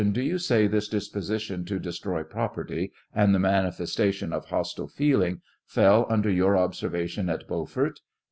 Do you say this disposition to destroy property, and the manifestation of hostile feeling, fell under your observation at Beaufort